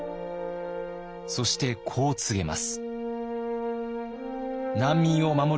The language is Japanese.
そしてこう告げます。